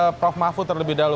ke prof mahfud terlebih dahulu